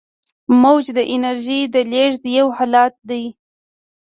موج د انرژۍ د لیږد یو حالت دی.